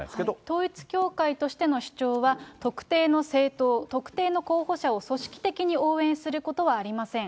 統一教会としての主張は、特定の政党、特定の候補者を組織的に応援することはありません。